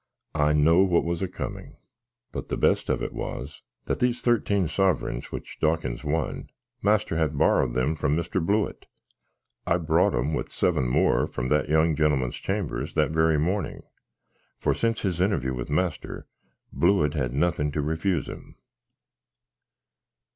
I know what was a comin! But the best of it was, that these 13 sovrings which Dawkins won, master had borrowed them from Mr. Blewitt! I brought 'em, with 7 more, from that young genlmn's chambers that very morning: for, since his interview with master, Blewitt had nothing to refuse him.